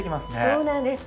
そうなんです。